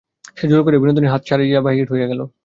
সে জোর করিয়া বিনোদিনীর হাত ছাড়াইয়া বাহির হইয়া গেল।